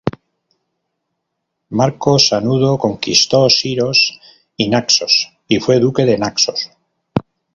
Marco Sanudo conquistó Siros y Naxos y fue duque de Naxos.